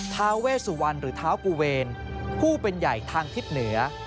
ท้าเวสุวรรณหรือเท้ากูเวรผู้เป็นใหญ่ทางทิศเหนือ